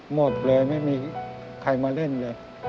หมดเลยไม่มีใครมาเล่นเลย